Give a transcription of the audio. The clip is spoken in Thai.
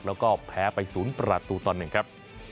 แล้วก็แผลไปศูนย์ประตูตอนหนึ่งครับ